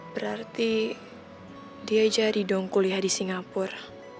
berarti diajari dong kuliah di singapur